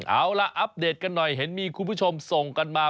เอาล่ะอัปเดตกันหน่อยเห็นมีคุณผู้ชมส่งกันมา